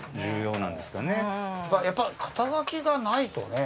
やっぱ肩書がないとね。